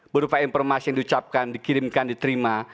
berupa informasi yang diucapkan dikirimkan diterima